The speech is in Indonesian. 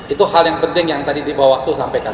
itu hal yang penting yang tadi di bawaslu sampaikan